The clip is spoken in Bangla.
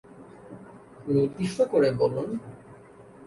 নির্দিষ্ট করে বলুন?